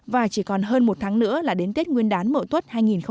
và chỉ còn hơn một tháng nữa là đến tết nguyên đán mậu tuất hai nghìn một mươi tám